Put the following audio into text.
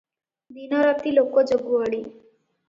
ଦିନ ରାତି ଲୋକ ଜଗୁଆଳି ।